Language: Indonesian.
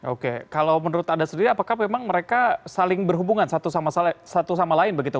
oke kalau menurut anda sendiri apakah memang mereka saling berhubungan satu sama lain begitu